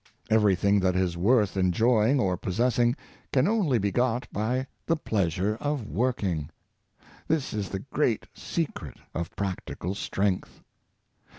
Everything that is worth enjoying or posses sing can only be got by the pleasure of working. This is the great secret of practical strength.